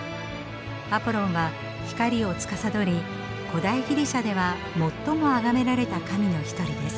アポロンは光をつかさどり古代ギリシャでは最も崇められた神の一人です。